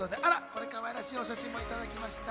かわいらしいお写真もいただきました。